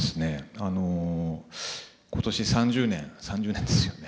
あの今年３０年３０年ですよね。